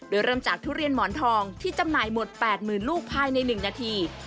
โดยเริ่มจากทุเรียนหมอนทองที่จำหน่ายหมด๘๐๐๐ลูกภายใน๑นาที